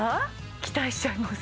期待しちゃいます